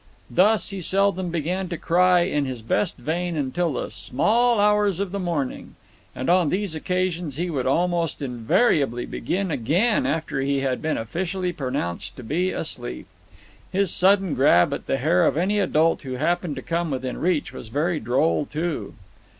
Thus he seldom began to cry in his best vein till the small hours of the morning; and on these occasions he would almost invariably begin again after he had been officially pronounced to be asleep. His sudden grab at the hair of any adult who happened to come within reach was very droll, too.